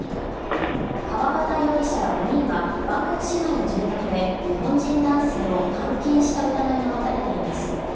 川端容疑者ら５人はバンコク市内の住宅で日本人男性を監禁した疑いが持たれています。